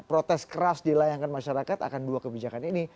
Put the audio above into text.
protes keras dilayangkan masyarakat akan dua kebijakan ini